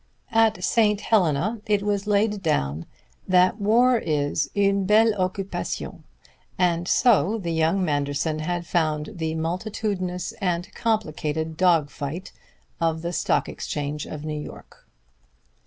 At St. Helena it was laid down that war is une belle occupation, and so the young Manderson had found the multitudinous and complicated dog fight of the Stock Exchange of New York.